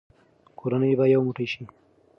کورنۍ به یو موټی شي.